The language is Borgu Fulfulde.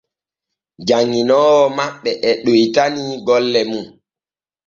Janŋinoowo maɓɓe e ɗoytani golle mun.